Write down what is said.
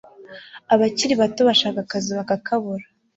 Abakiri bato bashaka akazi bakakabura